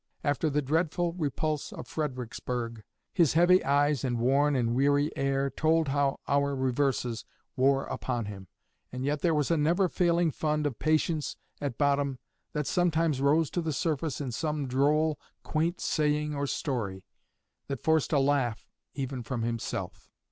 After the dreadful repulse of Fredericksburg, his heavy eyes and worn and weary air told how our reverses wore upon him; and yet there was a never failing fund of patience at bottom that sometimes rose to the surface in some droll, quaint saying or story, that forced a laugh even from himself."